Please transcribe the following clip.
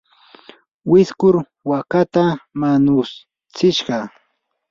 wiskur waakata wanutsishqa.